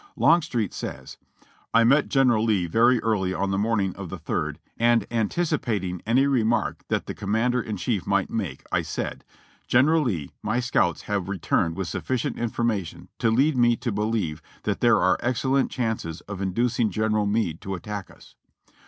Longstreet says: "I met General Lee very early on the morn ing of the 3rd, and anticipating any remark that the Commander in Chief might make, I said : 'General Lee, my scouts have re turned with sufficient information to lead me to believe that there are excellent chances of inducing General Meade to attack us.'